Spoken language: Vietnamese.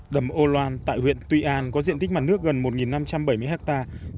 đầm âu loan tại huyện tuy an có diện tích mặt nước gần một năm trăm bảy mươi hectare